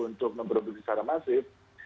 untuk memproduksi secara masif